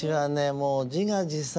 もう自画自賛